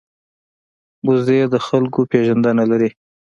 وزې د خلکو پېژندنه لري